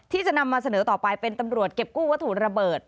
ที่จะนำมาเสนอต่อไปเป็นตำรวจเก็บกู้วัตถุระเบิด